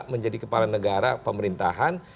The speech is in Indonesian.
menjadi kepala negara pemerintahan